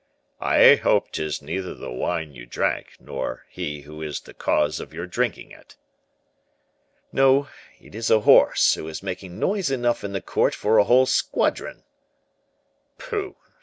"I hope 'tis neither the wine you drank nor he who is the cause of your drinking it." "No; it is a horse, who is making noise enough in the court for a whole squadron." "Pooh!